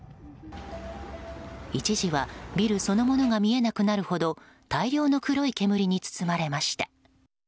一時はビルそのものが見えなくなるほど大量の黒い煙に包まれました。